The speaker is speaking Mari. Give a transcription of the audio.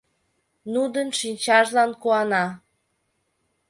Нудын шинчажлан куана.